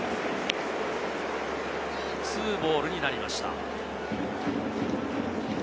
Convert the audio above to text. ２ボールになりました。